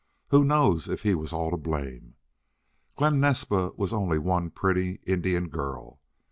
Who knows if he was all to blame? Glen Naspa was only one pretty Indian girl.